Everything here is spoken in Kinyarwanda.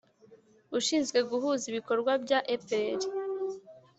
Ushinzwe guhuza ibikorwa bya epr